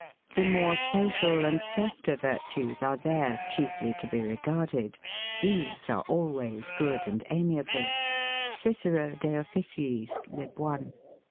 The more social and softer virtues are there chiefly to be regarded. These are always good and amiable [Cic. de Officiis, lib. I].